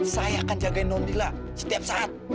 saya akan jagain nondila setiap saat